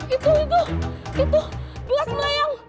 itu itu itu belas melayang